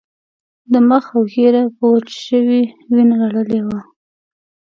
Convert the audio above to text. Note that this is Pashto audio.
د هغه مخ او ږیره په وچه شوې وینه لړلي وو